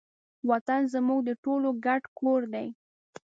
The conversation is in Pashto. وطن زموږ د ټولو ګډ کور دی.